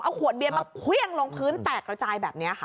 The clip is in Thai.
ขวดเบียนมาเครื่องลงพื้นแตกระจายแบบนี้ค่ะ